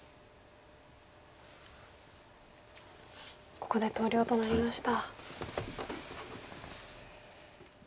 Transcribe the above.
ここで投了となりました。